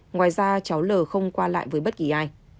ngoài ra cháu l không qua lại với bất kỳ ai